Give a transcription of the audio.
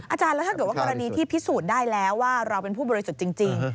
อาจารย์แล้วถ้าเกิดว่ากรณีที่พิสูจน์ได้แล้วว่าเราเป็นผู้บริสุทธิ์จริง